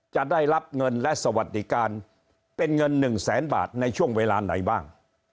จะได้รับเงินและสวัสดิการเป็นเงิน๑แสนบาทในช่วงเวลาไหนบ้าง